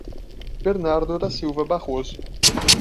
Bernardo da Silva Barroso